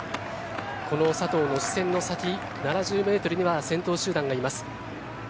この佐藤の視線の先７０ｍには先頭集団がいます。